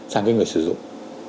sang người sử dụng